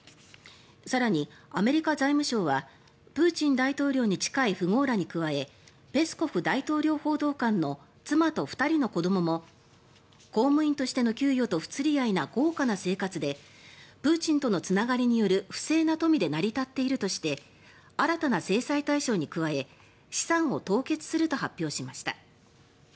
更に、アメリカ財務省はプーチン大統領に近い富豪らに加えペスコフ大統領報道官の妻と２人の子どもも公務員としての給与と不釣り合いな豪華な生活でプーチンとのつながりによる不正な富で成り立っているとして新たな制裁対象に加え資産を凍結すると発表しました。